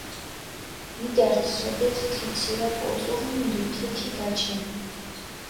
მიდართჷ სოდეთ თი ცირაქ ოწურუნი დო თექი გაჩენდჷ.